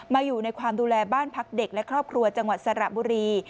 อยู่ในความดูแลบ้านพักเด็กและครอบครัวจังหวัดสระบุรี